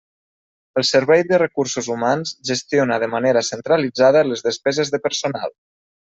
El Servei de Recursos Humans gestiona de manera centralitzada les despeses de personal.